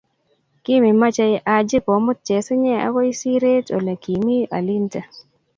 Kimimoche Haji komut chesinye okoi sire ole kimii alinte.